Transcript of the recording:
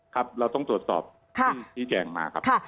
ครับเราต้องตรวจสอบชี้แจงมาครับ